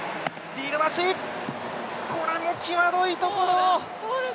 これはきわどいところ。